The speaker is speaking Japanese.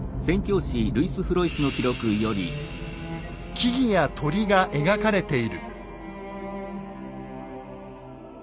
「木々や鳥が描かれている」。